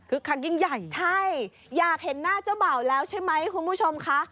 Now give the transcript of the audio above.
ครั้งยิ่งใหญ่ใช่อยากเห็นหน้าเจ้าบ่าวแล้วใช่ไหมคุณผู้ชมค่ะ